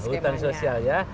hutan sosial ya